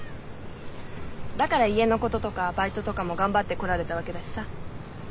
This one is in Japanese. だから家のこととかバイトとかも頑張ってこられたわけだしさ。